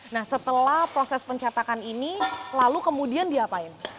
nah setelah proses pencetakan ini lalu kemudian diapain